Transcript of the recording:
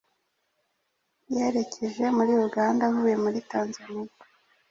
yerekeje muri Uganda avuye muri Tanzania